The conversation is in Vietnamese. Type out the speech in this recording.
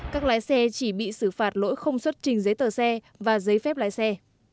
các lái xe chỉ bị xử phạt lỗi không xuất trình giấy tờ xe và giấy phép lái xe